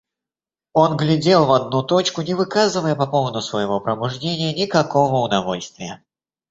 Он глядел в одну точку, не выказывая по поводу своего пробуждения никакого удовольствия.